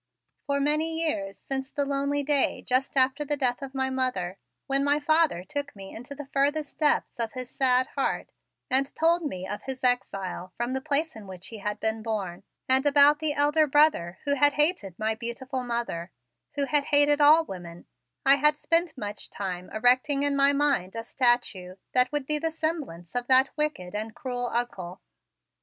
For many years, since the lonely day just after the death of my mother, when my father took me into the furthest depths of his sad heart and told me of his exile from the place in which he had been born, and about the elder brother who had hated my beautiful mother, who hated all women, I had spent much time erecting in my mind a statue that would be the semblance of that wicked and cruel Uncle.